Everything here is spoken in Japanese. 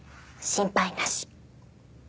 心配なし。